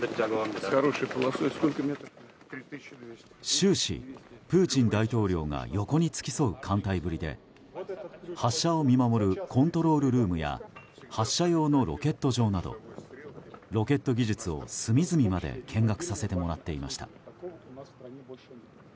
終始、プーチン大統領が横に付き添う歓待ぶりで発射を見守るコントロールルームや発射用のロケット場などロケット技術を隅々まで見学させてもらっていました。